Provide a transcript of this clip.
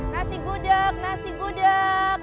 nasi gudeg nasi gudeg